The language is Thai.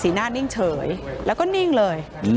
หน้านิ่งเฉยแล้วก็นิ่งเลย